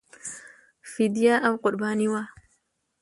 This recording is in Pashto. فدیه او قرباني وه.